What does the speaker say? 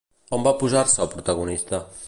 On va posar-se el protagonista?